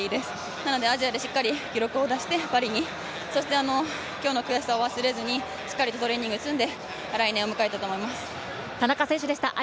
なのでアジアでしっかり記録を出してパリに、そして今日の悔しさを忘れずにしっかりとトレーニングを積んで来年を迎えたいと思います。